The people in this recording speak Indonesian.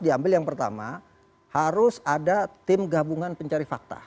jadi yang pertama harus ada tim gabungan pencari fakta